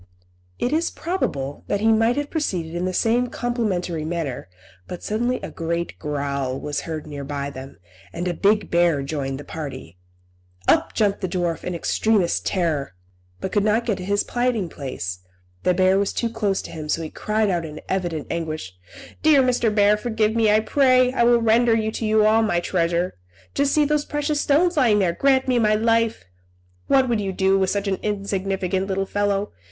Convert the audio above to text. It is probable that he might have proceeded in the same complimentary manner, but suddenly a great growl was heard near by them, and a big bear joined the party. Up jumped the dwarf in extremest terror, but could not get to his hiding place, the bear was too close to him; so he cried out in very evident anguish "Dear Mr. Bear, forgive me, I pray! I will render to you all my treasure. Just see those precious stones lying there! Grant me my life! What would you do with such an insignificant little fellow?